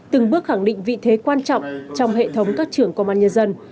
từng bước khẳng định vị thế quan trọng trong hệ thống các trưởng công an nhân dân